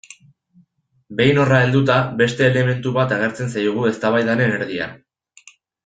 Behin horra helduta, beste elementu bat agertzen zaigu eztabaidaren erdian.